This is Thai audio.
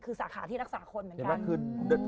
คือสาขาที่รักษาคนเหมือนกัน